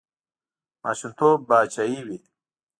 ماشومتوب پاچاهي وي.